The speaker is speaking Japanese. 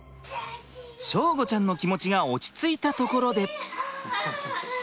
祥吾ちゃんの気持ちが落ち着いたところで。